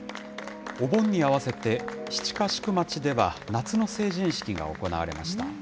お盆に合わせて、七ヶ宿町では夏の成人式が行われました。